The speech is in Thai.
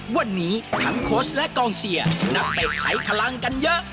วันนี้ทั้งโค้ชและกองเชียร์นักเตะใช้พลังกันเยอะ